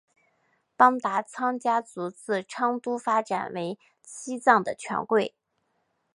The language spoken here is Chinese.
邦达仓家族自昌都发展为西藏的权贵。